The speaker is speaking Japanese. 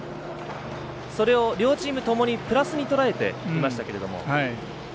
それを両チームともにプラスに捉えていましたけれども。